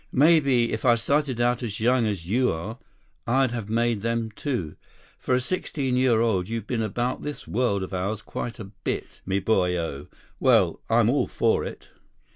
"Maybe if I had started out as young as you are, I'd have made them, too. For a sixteen year old, you've been about this world of ours quite a bit, me boy o. Well, I'm all for it."